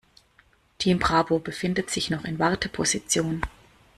Team Bravo befindet sich noch in Warteposition.